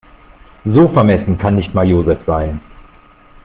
So vermessen kann nicht mal Joseph sein.